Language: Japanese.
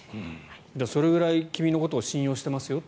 それぐらい君のことを信用していると。